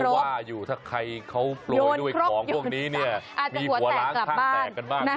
ว่าอยู่ถ้าใครเขาโปรยด้วยของพวกนี้เนี่ยมีหัวล้างข้างแตกกันบ้าง